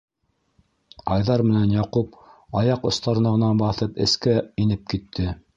Айҙар менән Яҡуп, аяҡ остарына ғына баҫып, эскә инеп китте.